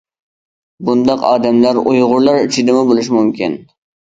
بۇنداق ئادەملەر ئۇيغۇرلار ئىچىدىمۇ بولۇشى مۇمكىن.